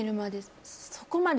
そこまで。